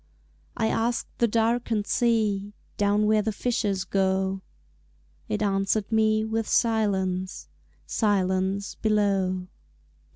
I asked the darkened sea Down where the fishers go It answered me with silence, Silence below.